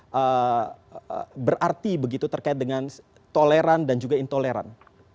yang berarti begitu terkait dengan toleran dan juga intoleran